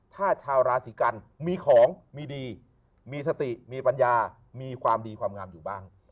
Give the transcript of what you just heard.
ถ้าชาวราศีกันมีของมีดีมีสติมีปัญญามีความดีความงามอยู่บ้าง